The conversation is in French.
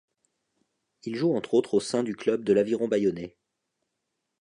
Il joue entre autres au sein du club de l'Aviron bayonnais.